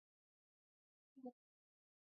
ځينې خلک ځانته هم دروغ وايي